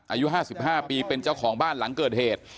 อายุ๕๕ปีเป็นเจ้าของบ้านหลังเกิดเหตุ